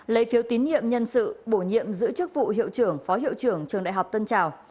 lấy phiếu tín nhiệm nhân sự bổ nhiệm giữ chức vụ hiệu trưởng phó hiệu trưởng trường đại học tân trào